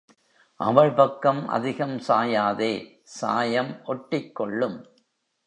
அவள் பக்கம் அதிகம் சாயாதே சாயம் ஒட்டிக்கொள்ளும்.